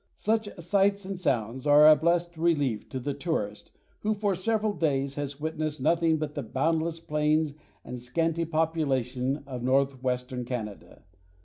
Such sights and sounds are a blessed relief to the tourist, who for several days has witnessed nothing but the boundless plains and scanty population of northwestern Canada.